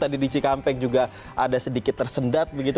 tadi di cikampek juga ada sedikit tersendat begitu